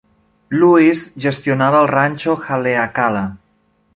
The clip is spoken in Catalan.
Louis gestionava el ranxo Haleakala.